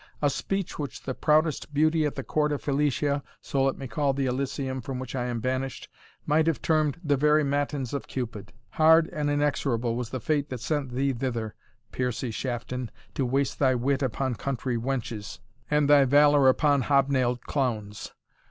a speech, which the proudest beauty at the court of Felicia (so let me call the Elysium from which I am banished!) might have termed the very matins of Cupid. Hard and inexorable was the fate that sent thee thither, Piercie Shafton, to waste thy wit upon country wenches, and thy valour upon hob nailed clowns!